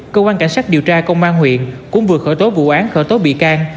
công an cảnh sát điều tra công an huyện cũng vừa khởi tố vụ án khởi tố bị can